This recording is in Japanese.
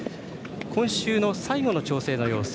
今週の最後の調整の様子